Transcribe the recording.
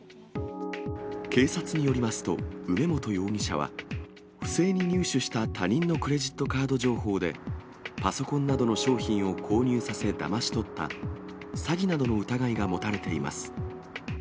警察によりますと、梅本容疑者は、不正に入手した他人のクレジット情報で、パソコンなどの商品を購入させだまし取った、詐欺などの疑いが持たれています。